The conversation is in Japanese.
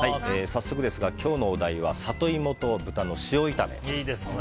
早速ですが、今日のお題はサトイモと豚の塩炒めです。